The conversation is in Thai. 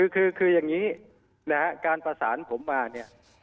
คืออย่างนี้นะฮะการประสานผมมาเนี่ย